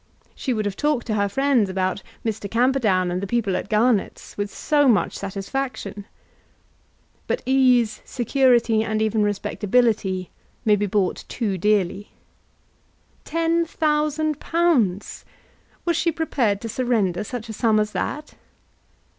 She would have talked to her friends about Mr. Camperdown and the people at Garnett's with so much satisfaction! But ease, security, and even respectability may be bought too dearly. Ten thousand pounds! Was she prepared to surrender such a sum as that?